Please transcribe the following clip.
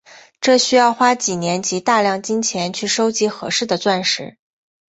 这需要花几年及大量金钱去收集合适的钻石。